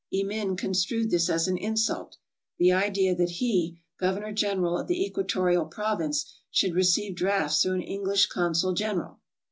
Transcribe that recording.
Emin construed this as an insult — the idea that he, Governor General of the Equatorial Province, should receive drafts through an English consul general